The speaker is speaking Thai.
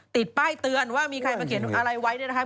ติดป้ายเตือนว่ามีใครมาเขียนอะไรไว้เนี่ยนะคะ